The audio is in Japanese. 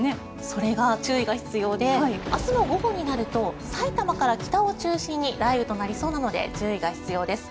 それが注意が必要で明日も午後になると埼玉から北を中心に雷雨となりそうなので注意が必要です。